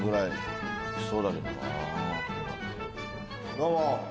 どうも。